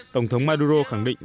tổng thống maduro khẳng định